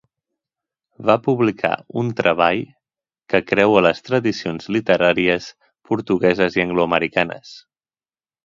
Va publicar un treball que creua les tradicions literàries portugueses i angloamericanes.